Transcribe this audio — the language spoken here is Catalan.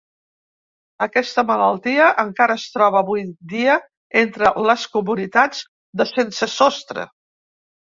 Aquesta malaltia encara es troba avui dia entre les comunitats de sense sostre.